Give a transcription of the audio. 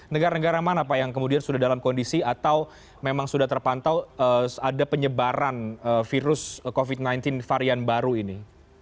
negara negara mana pak yang kemudian sudah dalam kondisi atau memang sudah terpantau ada penyebaran virus covid sembilan belas varian baru ini